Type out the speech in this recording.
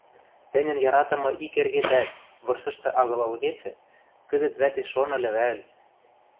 Тӹньӹн яратымы ик эргетӓт, вырсышты агыл ылгецӹ, кӹзӹт вӓтеш шон ыльы вӓл...